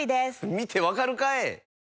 見て分かるかい！